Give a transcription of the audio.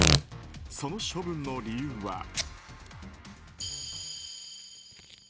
その処分の理由は。